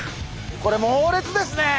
これ猛烈ですね！